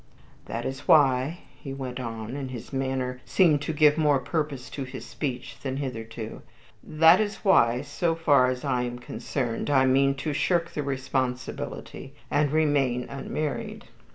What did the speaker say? "That is why," he went on, and his manner seemed to give more purpose to his speech than hitherto, "that is why, so far as I am concerned, I mean to shirk the responsibility and remain unmarried."